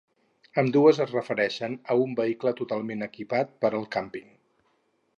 Ambdues es refereixen a un vehicle totalment equipat per al camping.